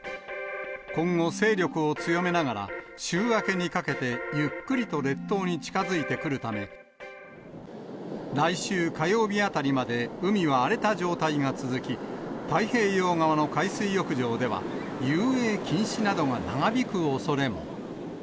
今後、勢力を強めながら、週明けにかけて、ゆっくりと列島に近づいてくるため、来週火曜日あたりまで海は荒れた状態が続き、太平洋側の海水浴場では遊泳禁止などが長引くおそれも。